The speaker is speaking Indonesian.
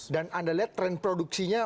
dan anda lihat tren produksinya